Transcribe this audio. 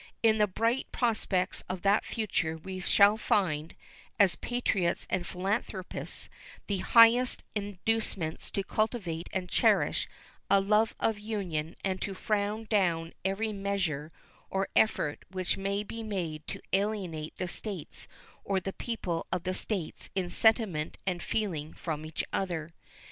In the bright prospects of that future we shall find, as patriots and philanthropists, the highest inducements to cultivate and cherish a love of union and to frown down every measure or effort which may be made to alienate the States or the people of the States in sentiment and feeling from each other.